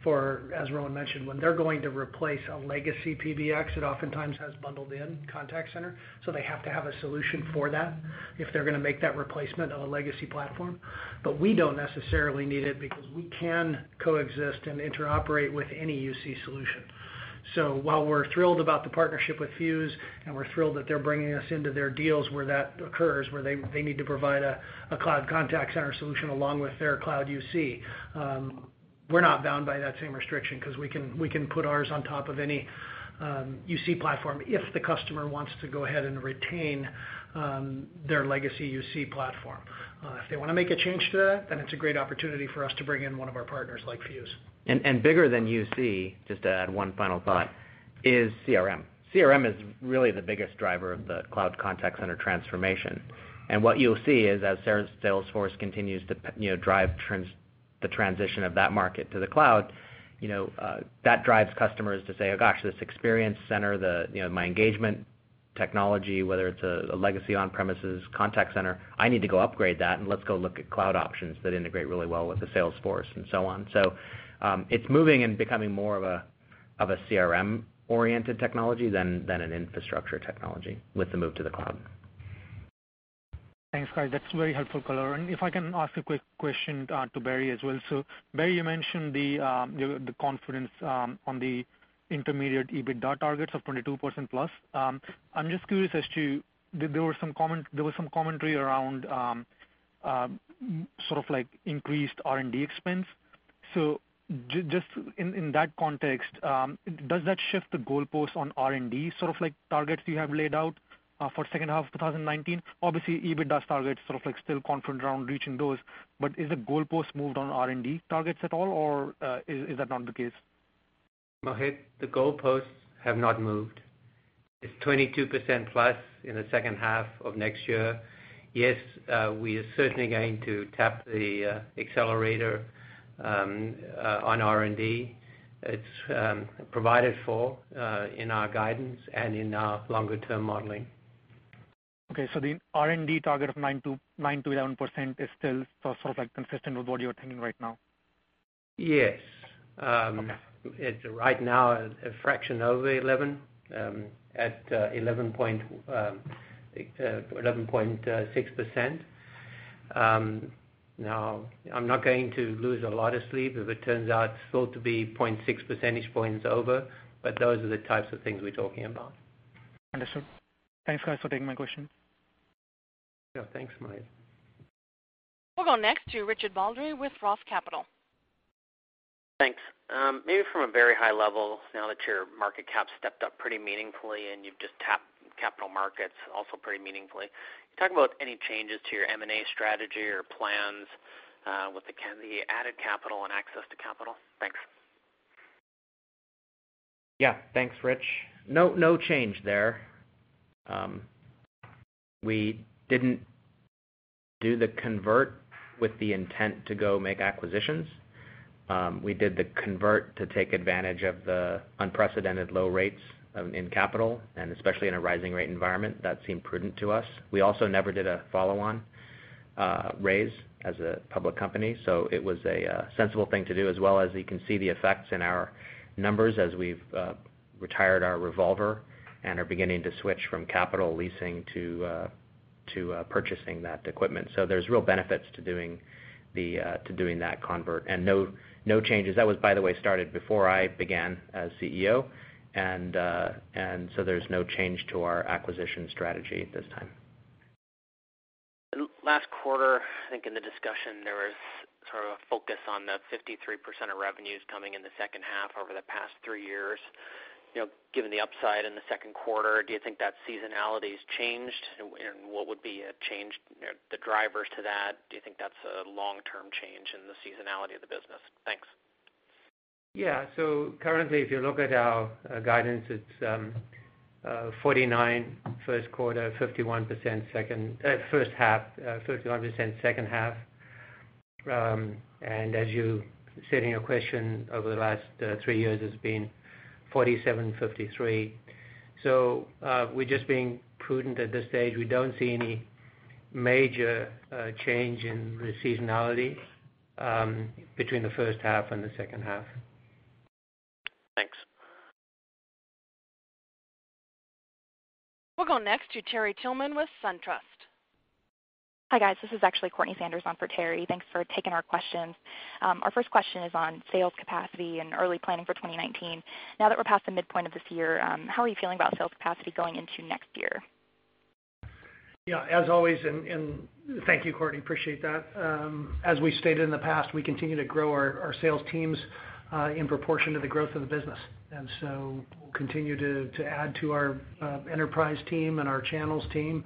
for, as Rowan mentioned, when they're going to replace a legacy PBX, it oftentimes has bundled in contact center, so they have to have a solution for that if they're going to make that replacement of a legacy platform. We don't necessarily need it because we can coexist and interoperate with any UC solution. While we're thrilled about the partnership with Fuze, and we're thrilled that they're bringing us into their deals where that occurs, where they need to provide a cloud contact center solution along with their cloud UC, we're not bound by that same restriction because we can put ours on top of any UC platform if the customer wants to go ahead and retain their legacy UC platform. If they want to make a change to that, it's a great opportunity for us to bring in one of our partners like Fuze. Bigger than UC, just to add one final thought, is CRM. CRM is really the biggest driver of the cloud contact center transformation. What you'll see is as Salesforce continues to drive the transition of that market to the cloud, that drives customers to say, "Gosh, this experience center, my engagement technology, whether it's a legacy on-premises contact center, I need to go upgrade that, and let's go look at cloud options that integrate really well with the Salesforce," and so on. It's moving and becoming more of a CRM-oriented technology than an infrastructure technology with the move to the cloud. Thanks, guys. That's a very helpful color. If I can ask a quick question to Barry as well. Barry, you mentioned the confidence on the intermediate EBITDA targets of 22%-plus. I'm just curious as to, there was some commentary around increased R&D expense. Just in that context, does that shift the goalposts on R&D targets you have laid out for second half of 2019? Obviously, EBITDA targets, still confident around reaching those, but is the goalposts moved on R&D targets at all, or is that not the case? Mohit, the goalposts have not moved. It's 22%-plus in the second half of next year. Yes, we are certainly going to tap the accelerator on R&D. It's provided for in our guidance and in our longer-term modeling. Okay, the R&D target of 9%-11% is still consistent with what you're thinking right now? Yes. Okay. It's right now a fraction over 11 at 11.6%. I'm not going to lose a lot of sleep if it turns out still to be 0.6 percentage points over, but those are the types of things we're talking about. Understood. Thanks, guys, for taking my question. Yeah. Thanks, Mohit. We'll go next to Richard Baldry with Roth Capital. Thanks. Maybe from a very high level, now that your market cap stepped up pretty meaningfully and you've just tapped capital markets also pretty meaningfully, can you talk about any changes to your M&A strategy or plans with the added capital and access to capital? Thanks. Yeah. Thanks, Rich. No change there. We didn't do the convert with the intent to go make acquisitions. We did the convert to take advantage of the unprecedented low rates in capital, and especially in a rising rate environment. That seemed prudent to us. We also never did a follow-on raise as a public company, so it was a sensible thing to do as well as you can see the effects in our numbers as we've retired our revolver and are beginning to switch from capital leasing to purchasing that equipment. There's real benefits to doing that convert, and no changes. That was, by the way, started before I began as CEO, and there's no change to our acquisition strategy at this time. Last quarter, I think in the discussion, there was sort of a focus on the 53% of revenues coming in the second half over the past three years. Given the upside in the second quarter, do you think that seasonality's changed? What would be a change, the drivers to that? Do you think that's a long-term change in the seasonality of the business? Thanks. Yeah. Currently, if you look at our guidance, it's 49% first quarter, 51% first half, [inaudible] second half. As you said in your question, over the last three years, it's been 47%/53%. We're just being prudent at this stage. We don't see any major change in the seasonality between the first half and the second half. Thanks. We'll go next to Terry Tillman with SunTrust. Hi, guys. This is actually Courtney Sanders on for Terry. Thanks for taking our questions. Our first question is on sales capacity and early planning for 2019. Now that we're past the midpoint of this year, how are you feeling about sales capacity going into next year? Yeah. Thank you, Courtney, appreciate that. As we stated in the past, we continue to grow our sales teams in proportion to the growth of the business. We'll continue to add to our enterprise team and our channels team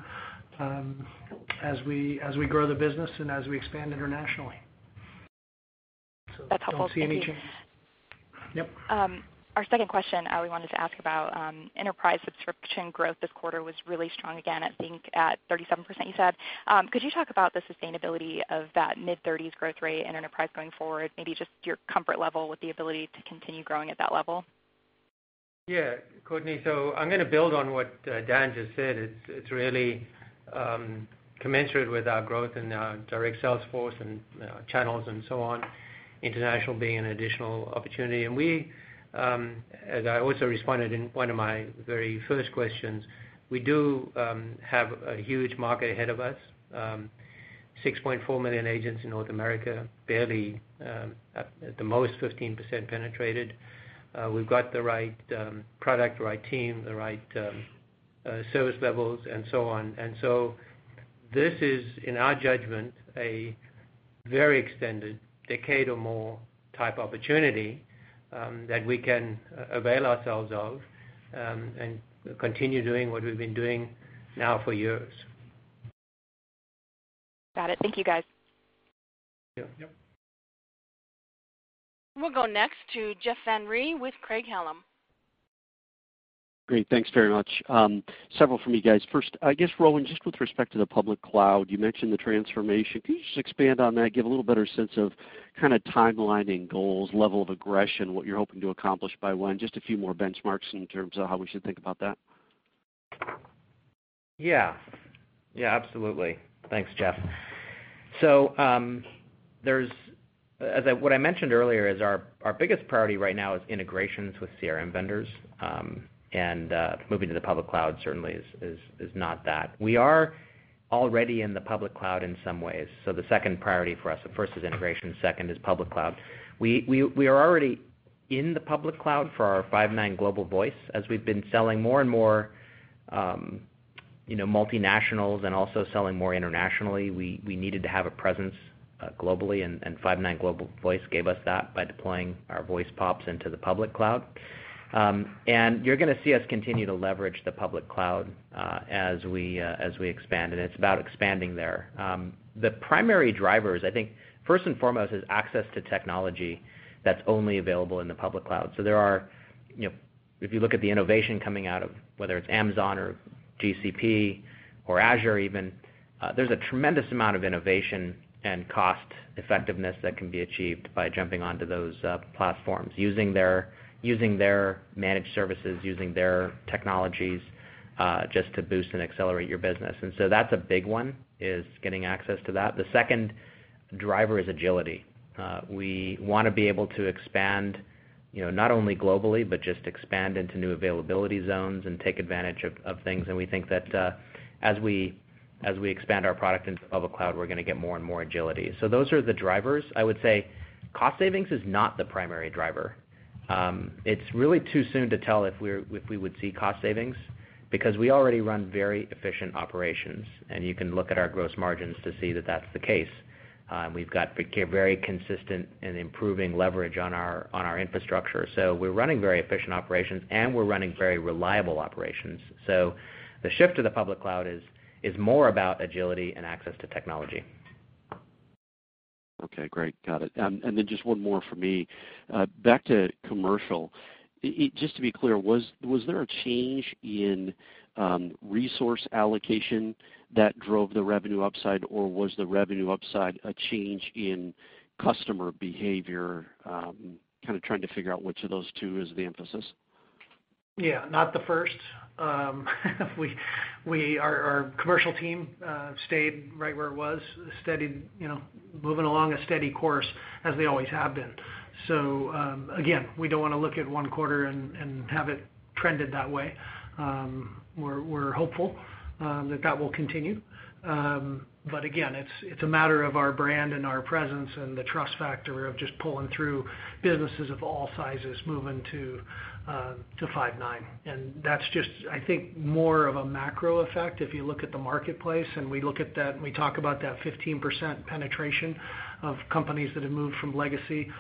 as we grow the business and as we expand internationally. That's helpful. Thank you. Yep. Our second question, we wanted to ask about enterprise subscription growth this quarter was really strong again, I think at 37%, you said. Could you talk about the sustainability of that mid-thirties growth rate in enterprise going forward? Maybe just your comfort level with the ability to continue growing at that level. Yeah. Courtney, I'm going to build on what Dan just said. It's really commensurate with our growth in our direct sales force and channels and so on, international being an additional opportunity. We, as I also responded in one of my very first questions, we do have a huge market ahead of us. 6.4 million agents in North America, barely, at the most, 15% penetrated. We've got the right product, the right team, the right service levels, and so on. This is, in our judgment, a very extended decade or more type opportunity that we can avail ourselves of and continue doing what we've been doing now for years. Got it. Thank you, guys. Yeah. Yep. We'll go next to Jeff Van Rhee with Craig-Hallum. Great. Thanks very much. Several from me, guys. First, I guess, Rowan, just with respect to the public cloud, you mentioned the transformation. Can you just expand on that, give a little better sense of kind of timelining goals, level of aggression, what you're hoping to accomplish by when, just a few more benchmarks in terms of how we should think about that? Yeah. Absolutely. Thanks, Jeff. What I mentioned earlier is our biggest priority right now is integrations with CRM vendors, and moving to the public cloud certainly is not that. We are already in the public cloud in some ways. The second priority for us, the first is integration, second is public cloud. We are already in the public cloud for our Five9 Global Voice. As we've been selling more and more multinationals and also selling more internationally, we needed to have a presence globally, and Five9 Global Voice gave us that by deploying our voice POPs into the public cloud. You're gonna see us continue to leverage the public cloud as we expand, and it's about expanding there. The primary drivers, I think first and foremost is access to technology that's only available in the public cloud. If you look at the innovation coming out of, whether it's Amazon or GCP or Azure even, there's a tremendous amount of innovation and cost effectiveness that can be achieved by jumping onto those platforms, using their managed services, using their technologies, just to boost and accelerate your business. That's a big one, is getting access to that. The second driver is agility. We want to be able to expand, not only globally, but just expand into new availability zones and take advantage of things. We think that as we expand our product into public cloud, we're going to get more and more agility. Those are the drivers. I would say cost savings is not the primary driver. It's really too soon to tell if we would see cost savings because we already run very efficient operations, and you can look at our gross margins to see that that's the case. We've got very consistent and improving leverage on our infrastructure. We're running very efficient operations, and we're running very reliable operations. The shift to the public cloud is more about agility and access to technology. Okay, great. Got it. Just one more for me. Back to commercial. Just to be clear, was there a change in resource allocation that drove the revenue upside, or was the revenue upside a change in customer behavior? I'm kind of trying to figure out which of those two is the emphasis. Yeah, not the first. Our commercial team stayed right where it was, moving along a steady course as they always have been. Again, we don't want to look at one quarter and have it trended that way. We're hopeful that that will continue. Again, it's a matter of our brand and our presence and the trust factor of just pulling through businesses of all sizes moving to Five9. That's just, I think, more of a macro effect if you look at the marketplace, and we look at that and we talk about that 15% penetration of companies that have moved from legacy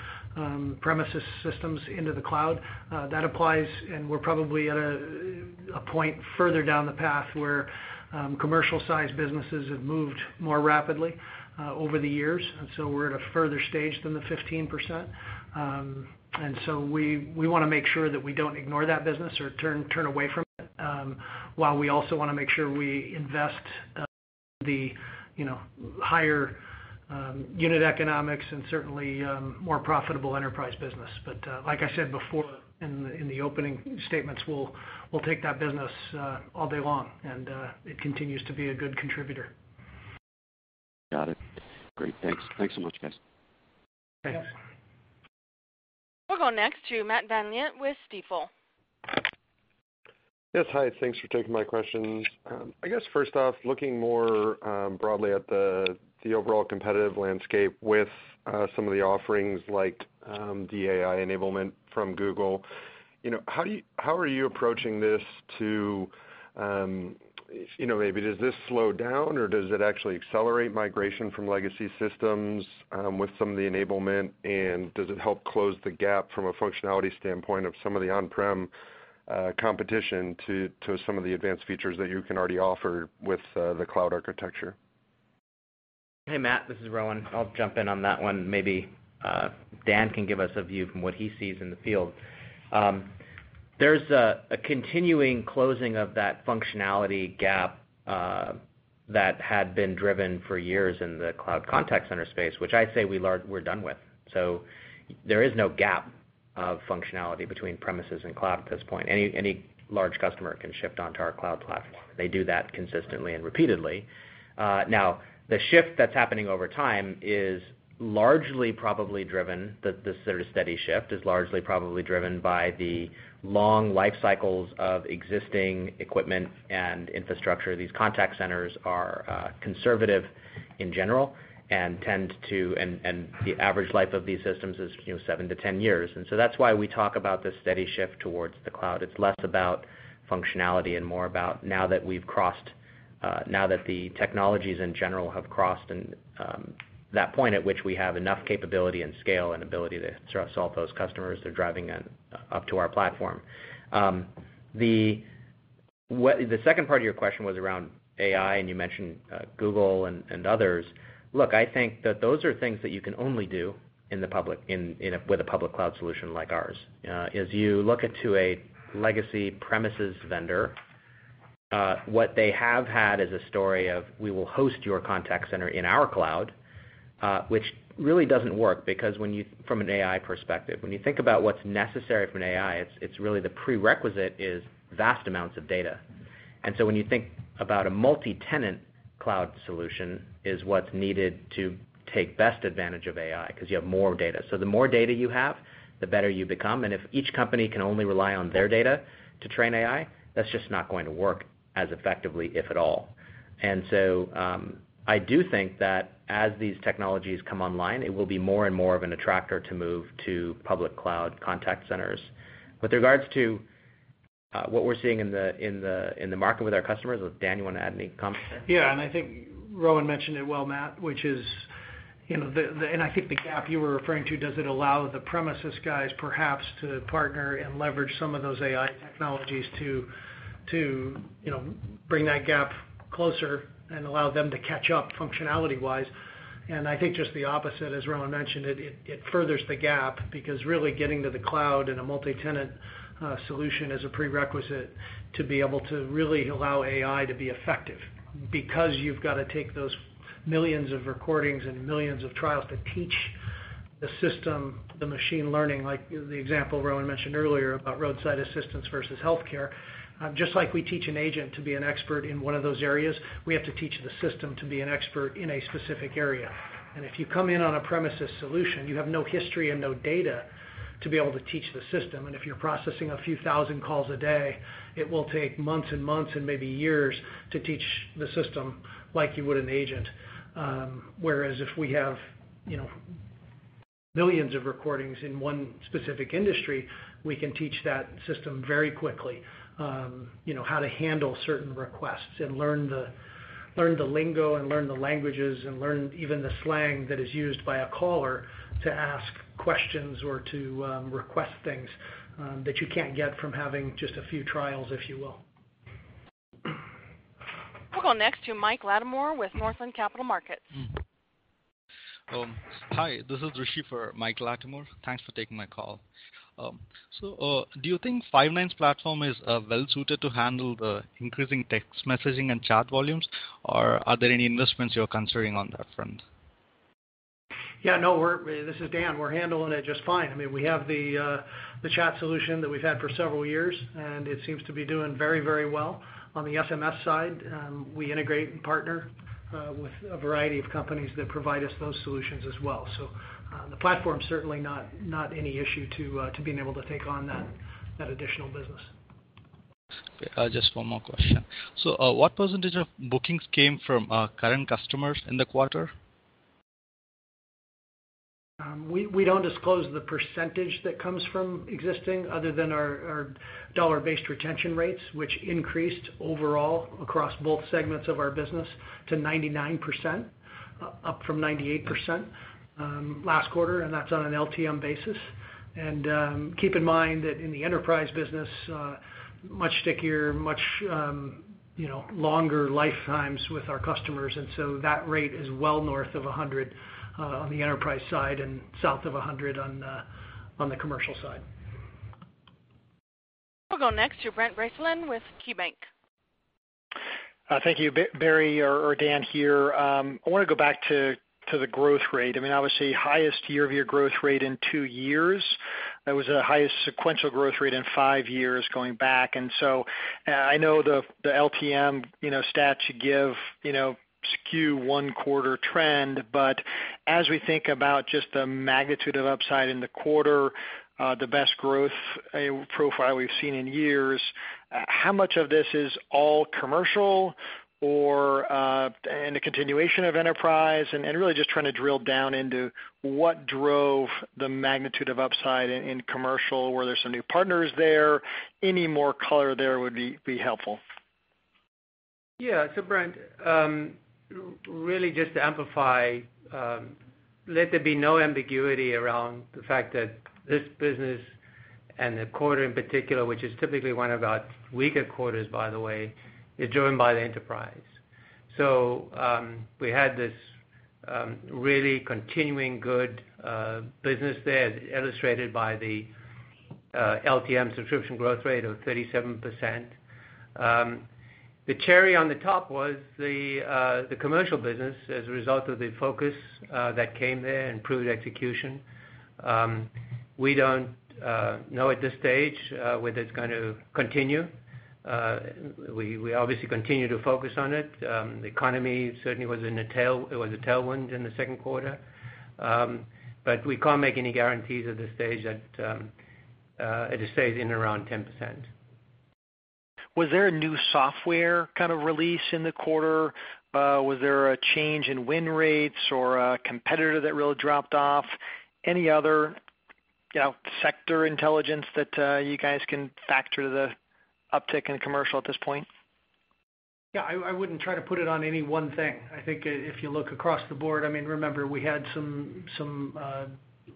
premises systems into the cloud. That applies, and we're probably at a point further down the path where commercial-sized businesses have moved more rapidly over the years. We're at a further stage than the 15%. We want to make sure that we don't ignore that business or turn away from it, while we also want to make sure we invest the higher unit economics and certainly more profitable enterprise business. Like I said before in the opening statements, we'll take that business all day long, and it continues to be a good contributor. Got it. Great. Thanks. Thanks so much, guys. Thanks. Yep. We'll go next to Matt VanVliet with Stifel. Yes, hi. Thanks for taking my questions. I guess first off, looking more broadly at the overall competitive landscape with some of the offerings like the AI enablement from Google, how are you approaching this to maybe does this slow down or does it actually accelerate migration from legacy systems with some of the enablement, and does it help close the gap from a functionality standpoint of some of the on-prem competition to some of the advanced features that you can already offer with the cloud architecture? Hey, Matt, this is Rowan. I'll jump in on that one. Maybe Dan can give us a view from what he sees in the field. There's a continuing closing of that functionality gap that had been driven for years in the cloud contact center space, which I'd say we're done with. There is no gap of functionality between premises and cloud at this point. Any large customer can shift onto our cloud platform. They do that consistently and repeatedly. The shift that's happening over time is largely probably driven, the sort of steady shift, is largely probably driven by the long life cycles of existing equipment and infrastructure. These contact centers are conservative in general and the average life of these systems is 7 to 10 years. That's why we talk about this steady shift towards the cloud. It's less about functionality and more about now that the technologies in general have crossed and that point at which we have enough capability and scale and ability to solve those customers, they're driving up to our platform. The second part of your question was around AI, and you mentioned Google and others. Look, I think that those are things that you can only do with a public cloud solution like ours. As you look into a legacy premises vendor, what they have had is a story of we will host your contact center in our cloud, which really doesn't work from an AI perspective. When you think about what's necessary from an AI, it's really the prerequisite is vast amounts of data. When you think about a multi-tenant cloud solution is what's needed to take best advantage of AI because you have more data. The more data you have, the better you become. If each company can only rely on their data to train AI, that's just not going to work as effectively, if at all. I do think that as these technologies come online, it will be more and more of an attractor to move to public cloud contact centers. With regards to what we're seeing in the market with our customers, Dan, you want to add any comments there? I think Rowan mentioned it well, Matt, I think the gap you were referring to, does it allow the premises guys perhaps to partner and leverage some of those AI technologies to bring that gap closer and allow them to catch up functionality-wise. I think just the opposite, as Rowan mentioned, it furthers the gap because really getting to the cloud and a multi-tenant solution is a prerequisite to be able to really allow AI to be effective. Because you've got to take those millions of recordings and millions of trials to teach the system the machine learning, like the example Rowan mentioned earlier about roadside assistance versus healthcare. Just like we teach an agent to be an expert in one of those areas, we have to teach the system to be an expert in a specific area. If you come in on a premises solution, you have no history and no data to be able to teach the system. If you're processing a few thousand calls a day, it will take months and months and maybe years to teach the system like you would an agent. Whereas if we have millions of recordings in one specific industry, we can teach that system very quickly, how to handle certain requests and learn the lingo and learn the languages and learn even the slang that is used by a caller to ask questions or to request things that you can't get from having just a few trials, if you will. We'll go next to Mike Latimore with Northland Capital Markets. Hi, this is Rishi for Mike Latimore. Thanks for taking my call. Do you think Five9's platform is well suited to handle the increasing text messaging and chat volumes? Are there any investments you're considering on that front? Yeah. No, this is Dan. We're handling it just fine. We have the chat solution that we've had for several years, it seems to be doing very well. On the SMS side, we integrate and partner with a variety of companies that provide us those solutions as well. The platform's certainly not any issue to being able to take on that additional business. Just one more question. What % of bookings came from current customers in the quarter? We don't disclose the % that comes from existing other than our dollar based retention rates, which increased overall across both segments of our business to 99%, up from 98% last quarter, and that's on an LTM basis. Keep in mind that in the enterprise business, much stickier, much longer lifetimes with our customers. That rate is well north of 100 on the enterprise side and south of 100 on the commercial side. We'll go next to Brent Bracelin with KeyBanc. Thank you. Barry or Dan here. I want to go back to the growth rate. Obviously highest year-over-year growth rate in two years. That was the highest sequential growth rate in five years going back. I know the LTM stats you give skew one quarter trend. As we think about just the magnitude of upside in the quarter, the best growth profile we've seen in years, how much of this is all commercial or, and the continuation of enterprise, and really just trying to drill down into what drove the magnitude of upside in commercial. Were there some new partners there? Any more color there would be helpful. Brent, really just to amplify, let there be no ambiguity around the fact that this business and the quarter in particular, which is typically one of our weaker quarters, by the way, is driven by the enterprise. We had this really continuing good business there, as illustrated by the LTM subscription growth rate of 37%. The cherry on the top was the commercial business as a result of the focus that came there, improved execution. We don't know at this stage whether it's going to continue. We obviously continue to focus on it. The economy certainly was a tailwind in the second quarter. We can't make any guarantees at this stage that it stays in around 10%. Was there a new software kind of release in the quarter? Was there a change in win rates or a competitor that really dropped off? Any other sector intelligence that you guys can factor the uptick in commercial at this point? Yeah, I wouldn't try to put it on any one thing. I think if you look across the board, remember we had some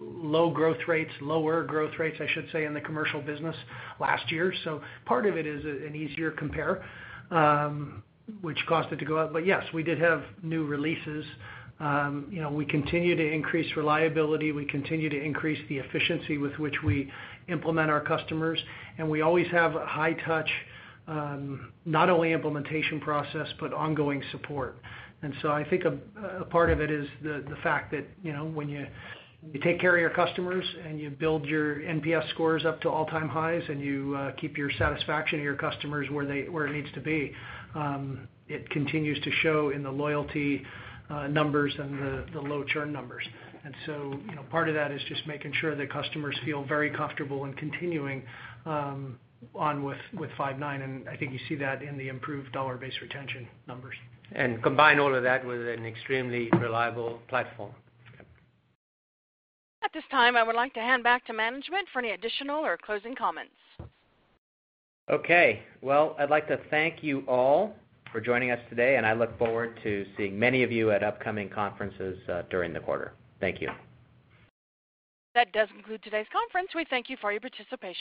low growth rates, lower growth rates, I should say, in the commercial business last year. Part of it is an easier compare, which caused it to go up. Yes, we did have new releases. We continue to increase reliability. We continue to increase the efficiency with which we implement our customers, and we always have a high touch, not only implementation process, but ongoing support. I think a part of it is the fact that when you take care of your customers and you build your NPS scores up to all-time highs, and you keep your satisfaction of your customers where it needs to be, it continues to show in the loyalty numbers and the low churn numbers. Part of that is just making sure that customers feel very comfortable in continuing on with Five9. I think you see that in the improved dollar-based retention numbers. Combine all of that with an extremely reliable platform. Yep. At this time, I would like to hand back to management for any additional or closing comments. Okay. Well, I'd like to thank you all for joining us today, and I look forward to seeing many of you at upcoming conferences during the quarter. Thank you. That does conclude today's conference. We thank you for your participation.